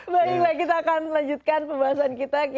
baiklah kita akan melanjutkan pembahasan kita